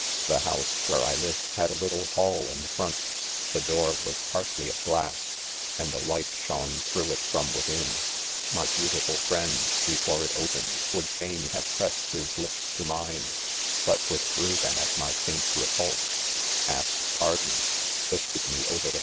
''The house where I lived had a little hall in front* The door was partly of glass, and a light shone through it from within 5 my beau tiful friend, before it opened, would fain hare pressed his lips to mine, but withdrew them at my faint repulse, — asked pardon, — lifted me over, the